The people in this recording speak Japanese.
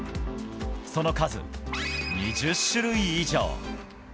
その数、２０種類以上。